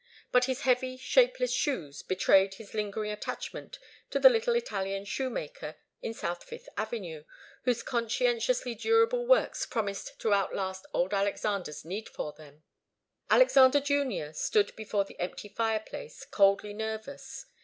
But his heavy, shapeless shoes betrayed his lingering attachment to the little Italian shoemaker in South Fifth Avenue, whose conscientiously durable works promised to outlast old Alexander's need for them. Alexander Junior stood before the empty fireplace, coldly nervous.